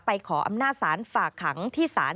ขออำนาจศาลฝากขังที่ศาล